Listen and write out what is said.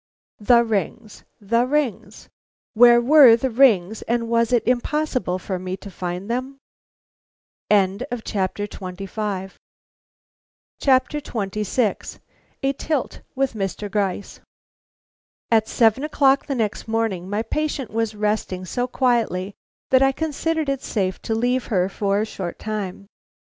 The rings! the rings! Where were the rings, and was it impossible for me to find them? XXVI. A TILT WITH MR. GRYCE. At seven o'clock the next morning my patient was resting so quietly that I considered it safe to leave her for a short time.